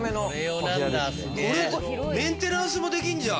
これメンテナンスもできんじゃん。